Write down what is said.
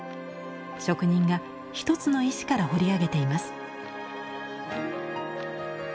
職人が一つの石から彫り上げています。